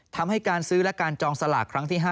ทำให้การซื้อและการจองสลากครั้งที่๕